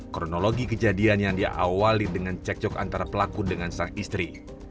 kronologi kejadian yang diawali dengan cekcok antara pelaku dengan sang istri